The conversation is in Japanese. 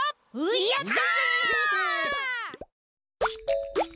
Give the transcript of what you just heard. やった！